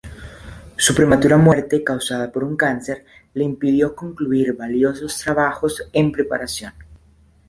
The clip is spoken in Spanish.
Su prematura muerte, causada por un cáncer, le impidió concluir valiosos trabajos en preparación.